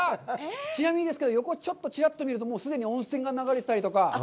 ちなみにですけど、横、ちょっとちらっと見ると既に温泉が流れてたりとか。